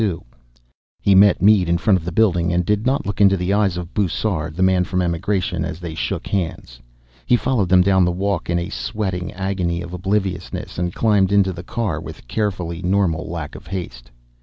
He met Mead in front of the building and did not look into the eyes of Bussard, the man from Emigration, as they shook hands. He followed them down the walk in a sweating agony of obliviousness, and climbed into the car with carefully normal lack of haste.